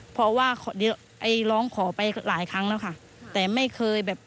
เพราะว่าไอ้ร้องขอไปหลายครั้งแล้วค่ะ